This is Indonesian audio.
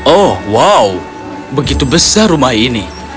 oh wow begitu besar rumah ini